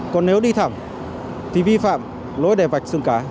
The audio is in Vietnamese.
còn nếu đi thẳm thì vi phạm lỗi đè vạch xương cá